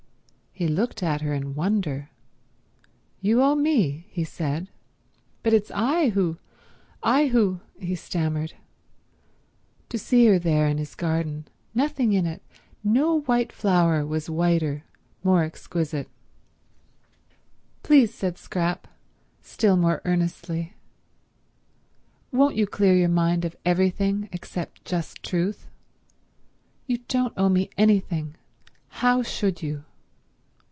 He looked at her in wonder. "You owe me?" he said. "But it's I who—I who—" he stammered. To see her there in his garden ... nothing in it, no white flower, was whiter, more exquisite. "Please," said Scrap, still more earnestly, "won't you clear your mind of everything except just truth? You don't owe me anything. How should you?"